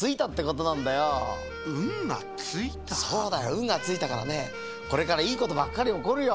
ウンがついたからねこれからいいことばっかりおこるよ。